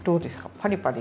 パリパリ。